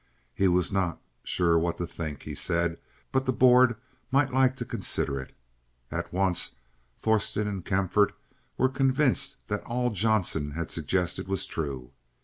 He was not sure what to think, he said, but the board might like to consider it. At once Thorsen and Kaempfaert were convinced that all Johnson had suggested was true.